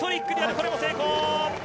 これも成功！